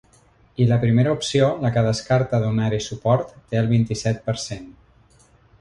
I la primera opció, la que descarta donar-hi suport, té el vint-i-set per cent.